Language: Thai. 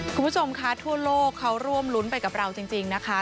คุณผู้ชมคะทั่วโลกเขาร่วมรุ้นไปกับเราจริงนะคะ